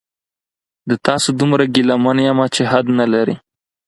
د تاسو دومره ګیله من یمه چې حد نلري